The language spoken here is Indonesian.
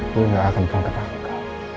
gue gak akan ketangkep sama lo